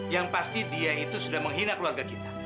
yang pasti dia itu sudah menghina keluarga kita